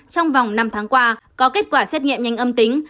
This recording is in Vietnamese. trong vòng năm tháng qua có kết quả xét nghiệm nhanh âm tính